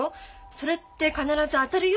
それって必ず当たるよ。